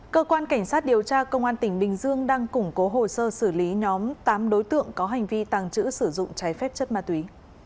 cơ quan cảnh sát điều tra công an tỉnh bình dương đang củng cố hồ sơ xử lý nhóm tám đối tượng có hành vi tàng trữ sử dụng trái phép chất ma túy